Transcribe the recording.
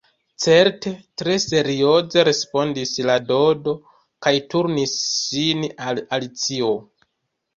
"Certe," tre serioze respondis la Dodo, kaj turnis sin al Alicio.